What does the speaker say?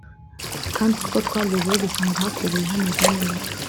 kandi koko twageze iwe dusanga hakubuye hameze neza